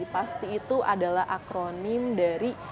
pasti itu adalah akronim dari